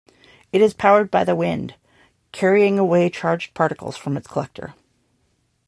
It is powered by the wind carrying away charged particles from its collector.